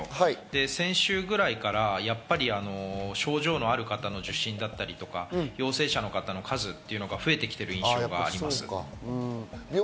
先週くらいから、やっぱり症状のある方の受診だったり、陽性者の方の数というのが増えてきている印象があります。